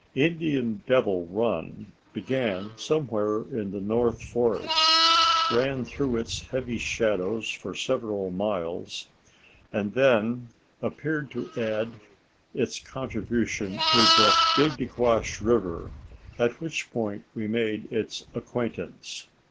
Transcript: Indian Devil Run began somewhere in the North Forest, ran through its heavy shadows for several miles, and then appeared to add its contribution to the Digdequash River, at which point we made its acquaintance.